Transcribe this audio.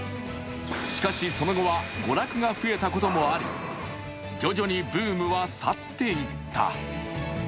しかし、その後は娯楽が増えたこともあり、徐々にブームは去っていった。